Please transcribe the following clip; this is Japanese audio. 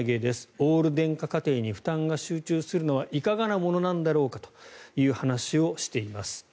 オール電化家庭に負担が集中するのはいかがなものなんだろうかという話をしています。